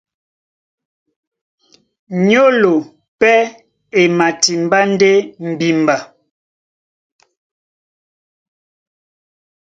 Nyólo pɛ́ e matimbá ndé mbimba.